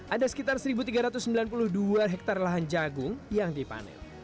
ada sekitar satu tiga ratus sembilan puluh dua hektare lahan jagung yang dipanen